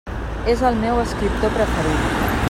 És el meu escriptor preferit.